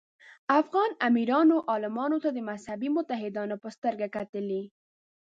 افغان امیرانو عالمانو ته د مذهبي متحدانو په سترګه کتلي.